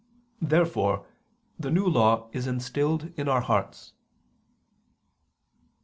Therefore the New Law is instilled in our hearts.